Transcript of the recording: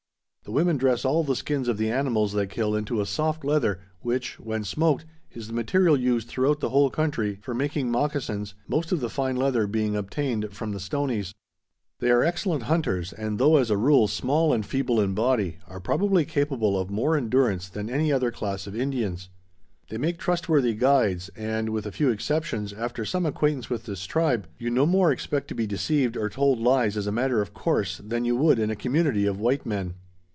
The women dress all the skins of the animals they kill into a soft leather, which, when smoked, is the material used throughout the whole country for making moccasins, most of the fine leather being obtained from the Stoneys. They are excellent hunters, and though as a rule small and feeble in body, are probably capable of more endurance than any other class of Indians. They make trustworthy guides, and, with a few exceptions, after some acquaintance with this tribe, you no more expect to be deceived, or told lies, as a matter of course, than you would in a community of white men."